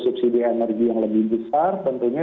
subsidi energi yang lebih besar tentunya